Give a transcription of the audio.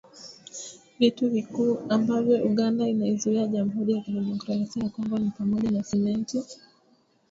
Vitu vikuu ambavyo Uganda inaiuzia Jamhuri ya kidemokrasia ya Kongo ni pamoja na Simenti.